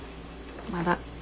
まだ。